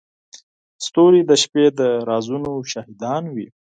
ستوري د شپې د رازونو شاهدان دي.